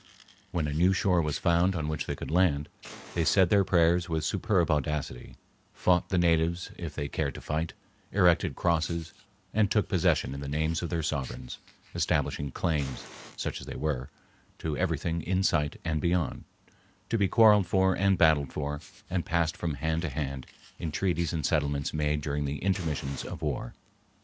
When a new shore was found on which they could land, they said their prayers with superb audacity, fought the natives if they cared to fight, erected crosses, and took possession in the names of their sovereigns, establishing claims, such as they were, to everything in sight and beyond, to be quarreled for and battled for, and passed from hand to hand in treaties and settlements made during the intermissions of war.